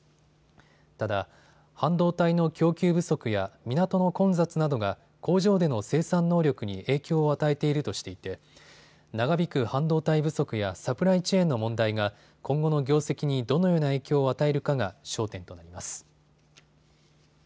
ただ、半導体の供給不足や港の混雑などが工場での生産能力に影響を与えているとしていて長引く半導体不足やサプライチェーンの問題が今後の業績にどのような影響を与えるかが焦点となります。